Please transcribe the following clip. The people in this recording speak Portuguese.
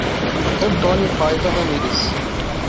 Antônio Paiva Ramires